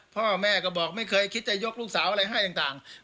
พ่อแม่ก็บอกไม่เคยคิดจะยกลูกสาวอะไรให้ต่าง